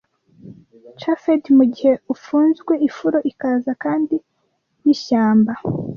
Chafed mugihe ufunzwe, ifuro ikaze kandi yishyamba,